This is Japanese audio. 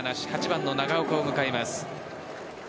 ８番の長岡を迎えます。